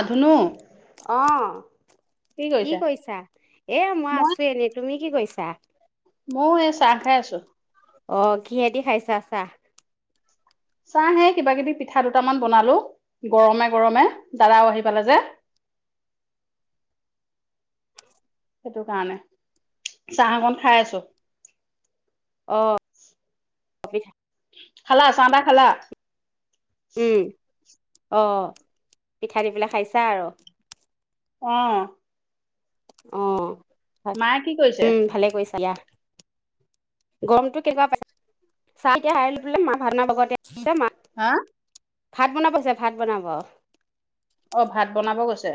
আধুনো অ কি কৰিছা এ মই আছো এনেই তুমি কি কৈছা ছাত মই এই চাং খাই আছো অ কিহেতি খাইছা চা চাহে কিবা কিবি পিঠা দুটামান বনালো গৰমে গৰমে দাদাও আহি পালে যে সেইটো কাৰণে চাহ অকন খাই আছো অ খালা চাহদা খালা উম আহ পিঠা দি পেলাই খাইছা আৰু অ আহ ভ মায়ে কি কৰিছে? উম ভালে কৈছা ইা গৰমতটো কেনেকুৱা পাইছ চাই এতিয়া হাৰ লে মা ভাতনা বগ [unintelligible] হা ভাত বনাব হৈছে ভাত বনাব অ ভাত বনাব গৈছে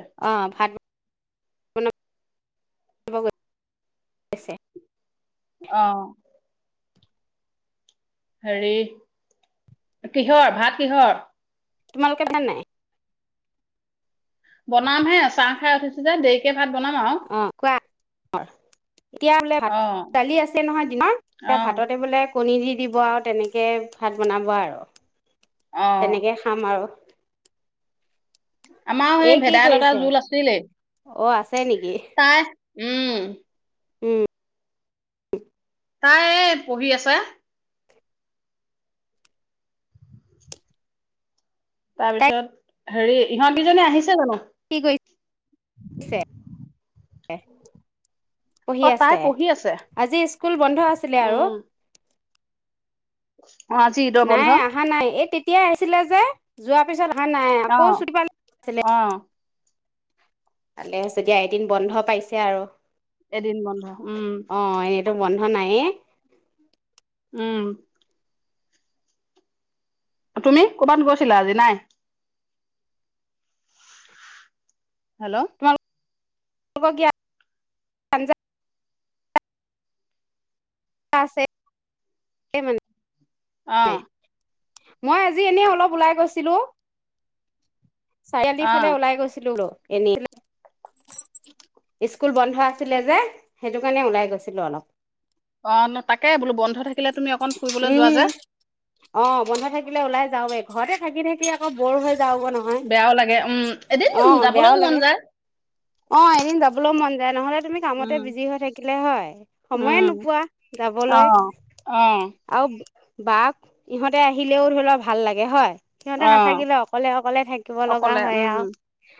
ম অ [unintelligible] আছে আহ হেৰি কিহৰ ভাত কিহৰ তোমালোকৰ কথা নাই বনাম হে চাহ খাই উঠিছো যে দেৰিকে ভাত বনাম আও আৰু হয় এতিয়া বোলে ভাত অ দালি আছে নহয় দিনত য়া অ ভাততে বোলে কণী দি দিব আৰু তেনেকে ভাত বনাব আৰু অ তেনেকে খাম আৰু আমাৰ এই সেই কি ভেদাইলতা জোল আছিলে তে নেকি উম উম তাই এ পঢ়ি আছে তাৰ তাই পিছত হেৰি! ইহঁতকিজনী আহিছে জানো? কি কৰি ছে? অ পঢ়ি তাই আছে, পঢ়ি আছে আজি স্কুল বন্ধ আছিলে আৰু! কোনো ধ্বনি পোৱা নগ'ল। [unintelligible] অঁ আজি ঈদৰ বন্ধ। এতিয়া আহিছিলে যে যোৱাৰ পিছত। হা নাই অ আকৌ চুটি পা ছিলে। অ ভালে আছে দিয়া, এদিন বন্ধ পাইছে আৰু। এদিন বন্ধ উম অঁ এনেতো বন্ধ নায়েই। উম তুমি? ক'ৰবাত গৈছিলা আজি? নাই? হেল্ল' হ'ব গিয়া। একো বুজা নগ'ল অস্পষ্ট [unintelligible] অঁ মই আজি এনে অলপ ওলাই গৈছিলোঁ। চাৰিআলি অ ফালে ওলাই গৈছিলোঁ লো। এনেই স্কুল বন্ধ আছিলে যে সেইটো কাৰণে ওলাই গৈছিলোঁ অলপ। অঁ তাকে বোলোঁ বন্ধ থাকে। উঁম অঁ, বন্ধ থাকিলে ওলাই যাওঁৱে। ঘৰতে থাকি থাকি আকৌ ব'ৰ হৈ। যাওঁগৈ নহয় বেয়াও লাগে, উম! এদিন অ বেয়াও যাবলৈও মন লাগে যায়! অ এদিন যাবলৈ মন যায়, নহলে তুমি কামতে উম বিজি হৈ থাকিলে হয়, সময়ে উম নোপোৱা অ যাবলৈ অ আও বা, সিহঁতে আহিলেও ধৰি লওক ভাল লাগে হয়। সিহঁতে অ নাথাকিলে অকলে অকলে থাকিব লগা অকলে হয় উম আও।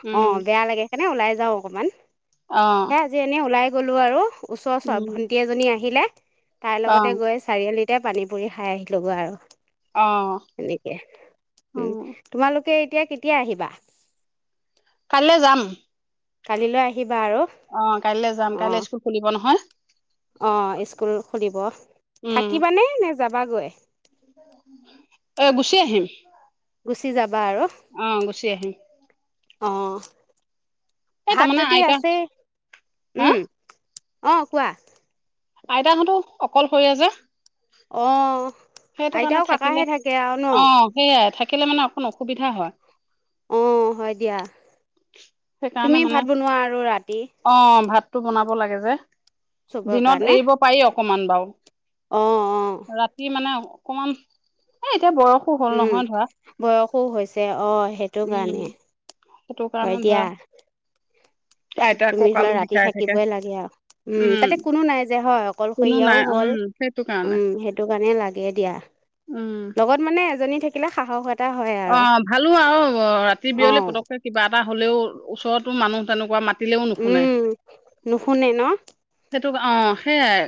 উম অঁ বেয়া লাগে। এনে ওলাই যাওঁ অকমান অ হে আজি এনেই ওলাই গ'লো আৰু ওচৰ চ উম ভণ্টি এজনী আহিলে। তাই অ লগতে গৈ চাৰিআলিত তে পানী পুৰি খাই আহিলোগে আৰু অ সেনেকে উম তোমালোকে এতিয়া কেতিয়া আহিবা কাইলৈ যাম কালিলৈ আহিব অ কাইলৈ যাম কাইলৈ স্কুল খুলিব নহয়। অ স্কুল খুলিব থাকিবানে নে? যাবাগৈ। অ গুচি আহিম। গুচি যাবা আৰু অ গুচি আহিম অ এই ভাত তাৰমানে যদি আইতা আছে হা উম অ কোৱা আইতাহঁতো অকল হৰিয়া যে। অ সেইটো কাৰণে আইতাও কাকাহে থাকিলে থাকে আৰু ন অ সেইয়াই থাক থাকিলে মানে অকণ অসুবিধা হয় অ হয় দিয়া সেইকাৰণে তুমি ভাত বনোৱা আৰু ৰাতি টো বনাব লাগে যে চবৰ দিনত কাৰণে এৰিব পাৰিক অকমান বাও অ' অ' ৰাতি মানে অকমান এ এতিয়া বয়সো হ'ল উম নহয় ধৰা বয়সো হৈছে অ সেইটো উম, কাৰণে সেইটো কাৰণে হয় দিয়া ধৰা আইতা তুমি ধলোৱা কঁকালো ৰাতি বিষাই থাকে থাকিবই লাগে আৰু উম তাতে কোনো নাই যে হয় কোনো অকলশৰীয়াও নাই উম, হল সেইটো কাৰণে উম সেইটো কাৰণে লাগে দিয়া উম। লগত মানে এজনী থাকিলে সাহসত অ ভালো আৰু ৰাতি বিয়লি অ' পতককে কিবা এটা হলেও ওচৰতো মানুহ তেনেকুৱ ম উম নুশুনে ন তোক অ সেইয়াই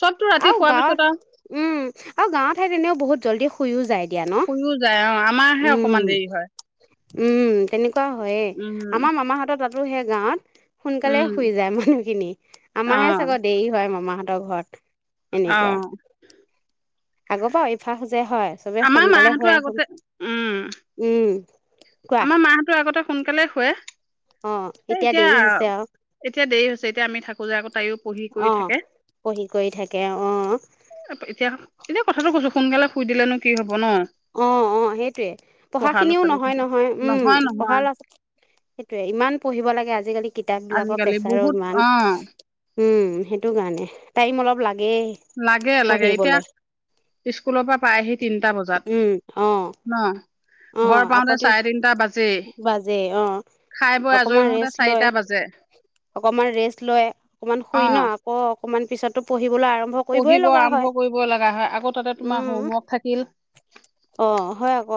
চবতো ৰাতি আৰু শোৱাৰ পিছত গাঁৱত আৰু উম আৰু গাঁৱৰ ঠাইত এনেও বহুত জল্দি শুইও যায় দিয়া ন শুইও যায় অ আমাৰাহে উম অকমান দেৰি হয় উম তেনেকুৱা হয়য়ে উম আমাৰ মামাৰাহাতত যা হে গাঁত সোনকালে উম শুই যায় মানুহখিনি অ আমাহে চাগত দেৰি হয় মামাহ ঘৰ অ এনেকুৱা। আগপা [unintelligible] যে হয়, চবে আমাৰ সোনকালে মাহঁতো হৈ আহো, আগতে উম উম। কোৱা আমাৰ মাহতো আগতে সোনকালে শুৱে। অ', এতিয়া দেৰি হৈছে আৰু। তেতিয়া আমি থাকো যে আগত অহ, পঢ়ি কৰি থাকে, অহ। এতিয়া এতিয়া কথাটো কৈছো, সোনকালে শুই দিলেনো কি হব ন অ', অ', সেইটোয়ে, পঢ়া ল'ৰা পঢ়াখিনিও ছোৱালী নহয় থাকে নহয়। উম, নহয় পঢ়াৰ ল'ৰা, সেইটোয়ে ইমান পঢ়িব লাগে আজিকালি কিতাপ বিলাকৰ আজিকালি পেছাৰো বহুত ইমান। অ উম, সেইটো কাৰণে, টাইম অলপ লাগ লাগে লাগে। এতিয়া, স্কুলৰ পৰা পাইহি তিনটা বজাত উম, অ'। ন ঘৰ অ', আকৌ পাওঁতে চাৰে তিনটা বাজেই [unintelligible] বাজেই অ', খাই বৈ আজৰি অকমান হওঁতে ৰেষ্ট লয়, চাৰিটা বাজে অকণমান ৰেষ্ট লয়, অকণমান অ শুই ন' আকৌ অকণমান পিছততো প পঢ়িব আৰম্ভ কৰিব লগা হয় আকৌ তাতে তোমাৰ উম, হোমৱৰ্ক থাকিল অ', হয় আকৌ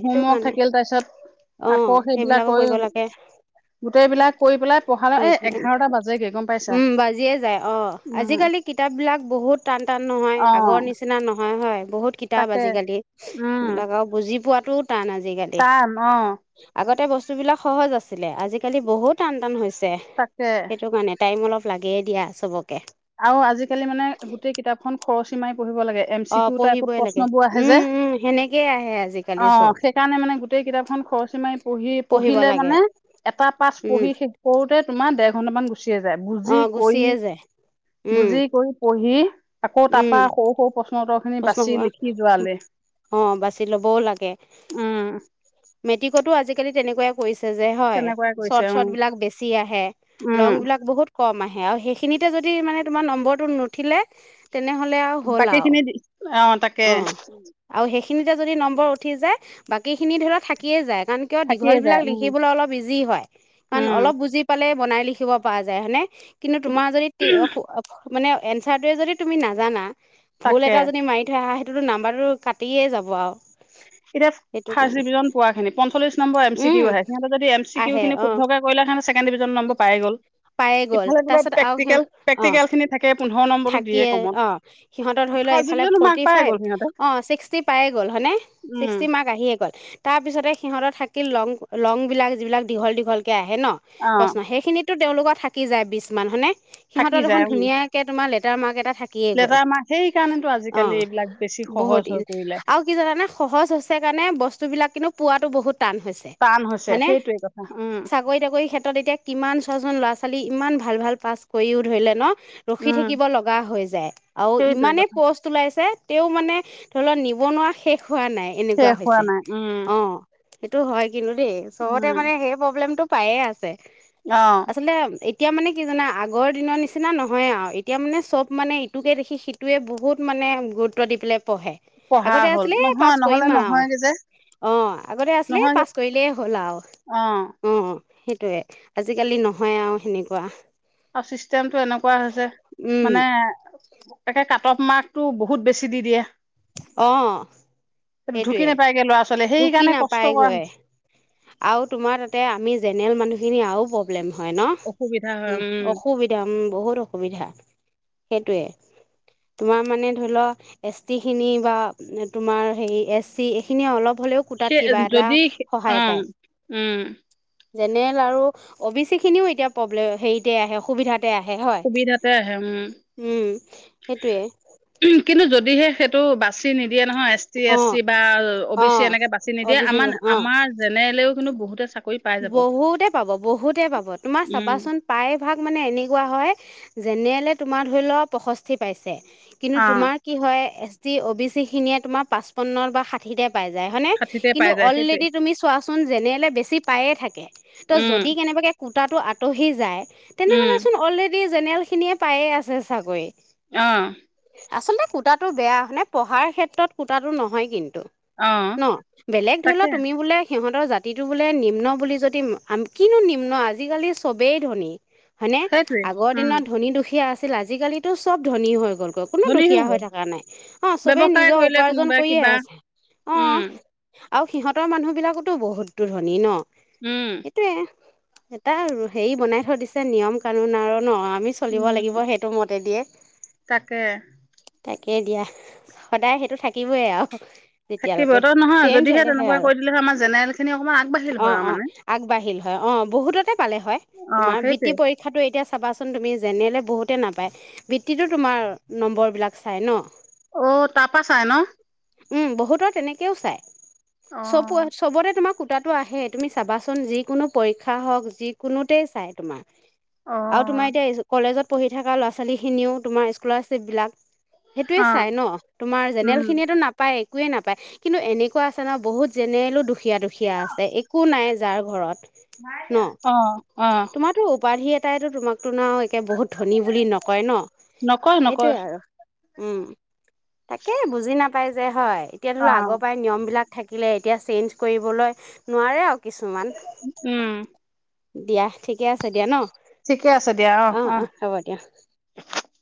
সেইটো কাৰণে থাকিল তাৰপিছত অ', আকৌ সেইবিলাক সেইবিলাকো কৰি, কৰিব লাগে গোটেইবিলাক কৰি পেলাই পঢ়ালে কৰি পেলাই এ-এঘাৰটা বাজেগে গম পাইছা, উম, বাজিয়ে যায় অ', উম। আজিকালি কিতাপবিলাক বহুত টান টান নহয় অ আগৰ নিচিনা নহয় হয়। বহুত কিতাপ তাকে আজিকালি, উম এইবিলাক আৰু বুজি পোৱাত টান আজিকালি। টান অ আগতে বচ বস্তুবিলাক সহজ আছিলে, আজিকালি বহু টান, টান হৈছে। দে, তাকে সেইটো কাৰণে টাইম অলপ লাগে দিয়া সবক আৰু আজিকালি মানে গোটেই কিতাপখন। খৰচী মাৰি। পঢ়িব লাগে এম চি অঁ কিউ টাইপ ত পঢ়িবই লাগে প্ৰশ্নবোৰ আহে যে, উম উম সেনেকেই আহে আজিকালি অ চব সেইকাৰণে মানে গোটেই কিতাপ খন‌ খৰচি মাৰি পঢ়ি‌ পঢ়িব পঢ়িলে লাগে মানে এটা পাঠ উম পঢ়ি শেষ কৰোতে তোমাৰ ডেৰ ঘণ্টামান গুছি গুচিয়ে যায় বুজি অঁ কই গুচিয়ে যায় উম বুজি কৰি পঢ়ি। আকৌ তাৰ উম পৰা সৰু সৰু প্ৰশ্ন। উত্তৰ খিনি প্ৰশ্ন বাচি হোৱা লিখি যোৱালে অ বাছি লবও লাগে উম মেট্ৰিকতো আজিকালি তেনেকোৱাই কৰিছে যে হয়, তেনেকুৱাই কৰিছে চৰ্ট উম চৰ্ট বিলাক বেছি আহে লং উম বিলাক বহুত কম আহে। সেইখিনিতে যদি মানে তোমাৰ নম্বৰটো নুঠিলে। তেনেহলে আও হ'ল বাকী খিনি আও অ আৰু সেইখিনিতে যদি নম্বৰ। উঠি যায় বাকীখিনি ধৰি লক থাকিয়ে যায়। কাৰণ কিয় থাকিয়ে দীঘল যায় বিলাক উম লিখিবলৈ অলপ ইজি হয়, কাৰণ উম অলপ বুজি পালে বনাই লিখিব পৰা যায় হয়নে, কিন্তু তোমাৰ যদি মানে এনচাৰটোৱে যদি তুমি নাজানা। ভুল তাকে এটা যদি মাৰি থৈ আহা তোৰ নাম্বাৰটো কাটিয়ে যাব আও এতিয়া ফাৰ্ষ্ট ডিভিজন পোৱা খিনি পঞ্চল্লিশ number M C um Q আহে সিহঁতে যদি এম চি কিউ আহে খিনি অ শুদ্ধকে কৰিলে ছেকেণ্ড ডিভিজন নম্বৰ পাই গ'ল পায়ে গ'ল ইফালে তোমাৰ তাৰপিছত আৰু সিহ প্ৰেক্টিকেল অ প্ৰেক্টিকেল খিনি থাকে পোন্ধৰ নম্বৰটো দিয়ে থাকিয়ে কমত অ সিহঁতৰ ধৰি লোৱা ফাৰ্ষ্ট এইফালে ডিভিজনো মাৰ্ক ফৰ্টি পাই গ'ল সিহঁতে ফাইভ অ ছিক্সটি পাইৱে গ'ল হয়নে উম চিক্সটি মাৰ্ক আহিৱে গ'ল। তাৰ পিছতে সিহঁতৰ থাকিল লং, লং বিলাক যিবিলাক দীঘল দীঘলকে আহে ন। অ প্ৰশ্ন‌ সেইখিনিত তো তেওঁলোকৰ থাকি যায় বিছ মান হয়নে। থাকি সিহঁতৰ দেখোন যায় উম ধুনীয়াকে তোমাৰ লেত এ মাৰ এটা থাকিয়ে গ'ল লেটাৰ মাৰ্ক সেইকাৰণেতো আজিকালি অঁ এইবিলাক বেছি বহুত সহজ ই হৈ পৰিলে আৰু কি জানানে সহজ হৈছে কাৰণে বস্তু বিলাক কিন্তু পোৱাতটো বহুত টান হৈছে টান হৈছে হয়নে? সেইটোৱে কথা উম চাকৰি তাকৰি ক্ষেত্ৰত এতিয়া কিমান ছজন ল'ৰা ছোৱালী ইমান ভাল ভাল পাছ কৰিও ধৰিলে ন ৰখি উম থাকিব লগা হৈ যায় আৰু সেইটোৱে ইমানেই কথা পষ্ট ওলাইছে তেওঁ মানে ধৰি লওঁক নিবনুৱা শেষ নাই এনেকুৱা শেষ হোৱা হৈছে নাই উম অঁ সেইটো হয় কিন্তু দেই চবতে উম মানে সেই প্ৰ্লেমটো পায়ে আছে অ আচলতে এ এতিয়া মানে কি জাননা আগৰ দিনৰ নিচিনা নহয় আৰু এতিয়া মানে চব মানে ইটোকে দেখি সিটোৱে বহুত মানে গুৰুত্ব দি পেলাই পঢ়ে পঢ়া আগতে হ'ল আছিলে নহয় পাছ নহলে কৰিম আৰু আৰু নহয়গে যে অঁ আগতে আছিলে নহয়গে পাছ কৰিলেই হ'ল আৰু অ অঁ সেইটোয়ে আজিকালি নহয় আৰু সেনেকুৱা আৰু চিষ্টেমতটো এনেকুৱা হৈছে উম মানে তাকে কাট অফ মাৰ্কতটো বহুত বেছি দি দিয়ে অঁ সেইটো ঢুকি সেইটোৱে নাপায়গে ল'ৰা ছোৱালীয়ে ঢুকি সেইকাৰণে কষ্ট কৰা নাপায়গৈ হৈছে আৰু তোমাৰ তাতে আমি জেনেল মানুহ সেইখিনি আৰুও প্ৰব্লেম নয় অসুবিধা হয় ন উম অসুবিধা উম বহুত অসুবিধা সেইটোৱে তোমাৰ মানে ধৰি লোৱা টিখিনি বা তোমাৰ হেৰি এছ চি এইখিনিয়ে অলপ হ'লেও কোটাত কিবা সেই এটা যদি সহায় অঁ পায় উম জেনেৰেল আৰু অঁ বি চি খিনিও এতিয়া প্ৰব্লেম হেৰিতে আহে সসুবিধা আহে হয় সুবিধাতে আহে উম উ সেইটোৱে কিন্তু যদিহে সেইটো বাচি নিদিয়ে নহয় এছ টি অ এছ চি বা অ' বি চি এনেকৈ বাছি অ' নিদিয়ে বি চি আমাৰ অ আমাৰ জেনেৰেলেও কিন্তু বহুত [unintelligible] বহুতে পাব বহুতে পাব তোমাৰ উম চাবাচোন প্ৰায় ভাগ মানে এনেকুৱা হয় জেনেৰেলে তোমাৰ ধৰি লোৱা পষষ্ঠি পাইছে কিন্তু অ তুমাৰ কি হয় যি অ বি চি খিনিয়ে তোমাৰ পাঁচপন্ন বা ষাঠিটা পাই যাই হইনে, ষাঠিতে কিন্তু পাই যায় সেইটোৱে অলৰেডী তুমি চোৱাচোন জেনেৰেলে বেছি এ থাকে ত' উম যদি কেনেবাকে কুৰ্তাটো আঁতহি যায়। তেনেহ'লে উম চোন অলৰেড যদি জেনেৰেলখিনিয়ে পায়ে আছে চাকৰি। অহ। আচলতে কুতাটো বেয়া নে পঢ়াৰ ক্ষেত্ৰত কুতাটো নহয় কিন অ ন' বেলেগ ধৰি তাকে লওঁ তুমি বোলে সিহঁত জাতিটো বোলে নিম নিম্ন বুলি যদি আম কিনো নিম্ন আজিকালি চবেই ধনী। হয়নে সেইটোৱে আগৰ উম দিনত ধনী, দুখীয়া আছ আছিল আজিকালিতো চব ধনী হয়। গ'লৈ কোনো ধনী দুখীয়া হৈ গ'ল থকা নাই অ', চবে ব্যৱসায় নিজৰ কৰিলে উপাৰ্জন কোনোবাই কৰিয়ে কিবা আছে অ'। উম আৰু সিহঁতৰ মানুহ বিলাকোটো বহুতটো ধনী ন'। উম এটোৱে। এটা হেৰি বনাই থৈ দিছে নিয়ম কানুন আৰু ন' আ আমি চলিব উম লাগিব সেইটো মতে দিয়ে। তাকে। তাকেই দিয়া সদায় সেইটো থাকিবই আৰু। থাকিব যেতিয়ালৈকে ত' নহয় চেঞ্জ যদিহে হলেহে তেনেকুৱা কৰি দিলেহ আমাৰ জেনেৰেল খিনি অকনমান আগবাঢ়িল হয় অ', আৰু অ', মানে আগবাঢ়িল হয় অ', বহুততে পালে হয়, অ তোমাৰ সেইটোৱে বৃত্তি পৰীক্ষাটো এতিয়া চাবাচোন তুমি যেনেলে বহুতে নাপায় বৃত্তিতো তোমাৰ নম্বৰ বিলাক চাই ন'। অ', তাপা চাই ন'? উম, বহুতৰ তেনেকেও চাই। চব অ' চবতে তোমাক কুতাতটো আহেত তুমি চাবাচোন যি কোনো পৰীক্ষা হওঁক যি কোনোতেই চাই তোমাৰ। আৰু অ' তোমাৰ এতিয়া এজ কলেজত পঢ়ি থকা ল'ৰা-ছোৱালীখিনিও তোমাৰ স্কলাৰশ্বিপবিলাক সেইটোয়ে চাই অ' ন তোমাৰ জেনেৰেল উম। খিনিয়েতটো নাপায়। একোৱে নাপায়, কিন্তু এনেকুৱা আছে নহয় বহুত জেনেৰেলো দুখী দুুখীয়া দুখীয়া আছে এক একো নাই যাৰ ঘৰত। ন অহ, অহ। তাইটো তোমাক তোনাও এতিয়া বহুত ধনী বুলি নকয় ন নকয় নকয় সেইটয়ে আৰু উম তাকে বুজি নাপাই যে হয়, এতিয়া ধৰি লও আগৰ অ' পৰাই নিয়ম বিলাক থাকিলে, এতিয়া চেঞ্জ কৰিবলৈ নোৱাৰে আ উম! দিয়া, ঠিকে আছে দিয়া ন! ঠিকে আছে দিয়া। অ! [inaudible]